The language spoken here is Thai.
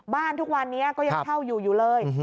บ้านทุกวันนี้ก็ยังเท่าอยู่เลย